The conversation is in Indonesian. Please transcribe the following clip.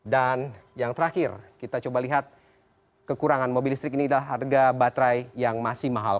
dan yang terakhir kita coba lihat kekurangan mobil listrik ini adalah harga baterai yang masih mahal